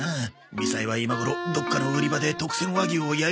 みさえは今頃どっかの売り場で特選和牛を焼いてるはずだぜ。